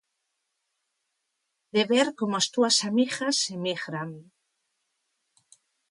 De ver como as túas amigas emigran.